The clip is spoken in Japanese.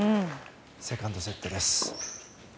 セカンドセットです。